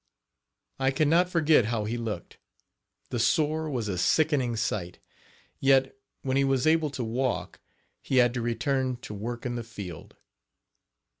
I can not forget how he looked, the sore was a sickening sight; yet, when he was able to walk he had to return to work in the field.